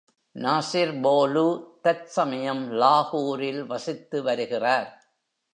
Nasir Bholu தற்சமயம் லாகூரில் வசித்து வருகிறார்